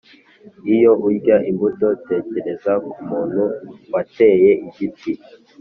iyo urya imbuto tekereza ku muntu wateye igiti.